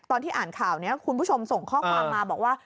ตอนที่อ่านข่าวนี้คุณผู้ชมส่งข้อความมาบอกว่า